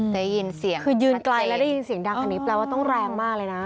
ได้ยินเสียงคือยืนไกลแล้วได้ยินเสียงดังอันนี้แปลว่าต้องแรงมากเลยนะ